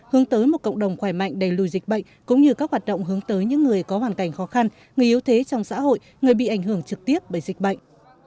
hướng tới một cộng đồng khỏe mạnh đầy lùi dịch bệnh cũng như các hoạt động hướng tới những người có hoàn cảnh khó khăn người yếu thế trong xã hội người bị ảnh hưởng trực tiếp bởi dịch bệnh